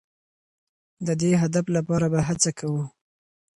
د دې هدف لپاره به هڅه کوو.